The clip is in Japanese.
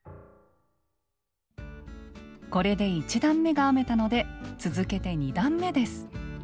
これで１段めが編めたので続けて２段めです。